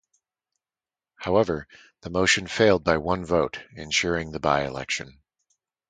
However, the motion failed by one vote, ensuring the by-election.